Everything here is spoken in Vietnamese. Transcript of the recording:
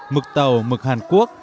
mực tàu mực hàn quốc